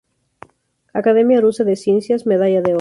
Academia Rusa de Ciencias, Medalla de Oro